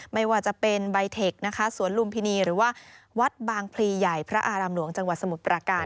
ไม่วกว่าจะเป็นบายเทกสวนรุมพินีหรือว่าวัดบางพรีใหญ่พระอารำหลวงจังหวัดสมุดประกาศ